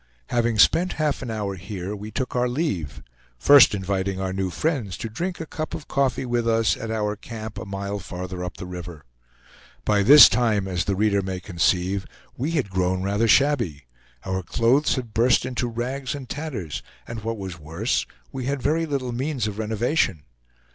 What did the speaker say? Having spent half an hour here, we took our leave; first inviting our new friends to drink a cup of coffee with us at our camp, a mile farther up the river. By this time, as the reader may conceive, we had grown rather shabby; our clothes had burst into rags and tatters; and what was worse, we had very little means of renovation.